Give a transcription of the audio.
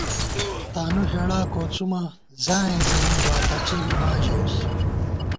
تانُو ہېڑا کوڅُوماں ځائیں ځَلی، واپَچےبی ماں ژَوُس